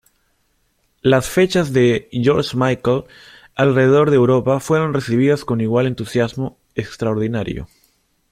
Las fechas de George Michael alrededor de Europa fueron recibidas con igual entusiasmo extraordinario.